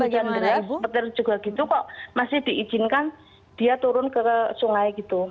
pas waktu tadi di jendela petir juga gitu kok masih diizinkan dia turun ke sungai gitu